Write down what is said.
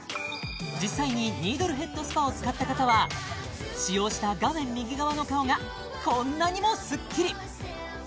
実際にニードルヘッドスパを使った方は使用した画面右側の顔がこんなにもスッキリ！